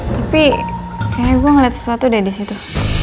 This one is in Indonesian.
tapi kayaknya gue ngeliat sesuatu deh disitu